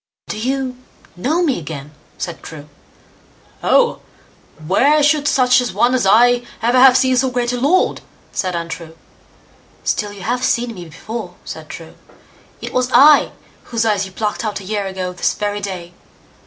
"Do you know me again?" said True. "Oh! where should such a one as I ever have seen so great a lord", said Untrue. "Still you have seen me before", said True. "It was I whose eyes you plucked out a year ago this very day.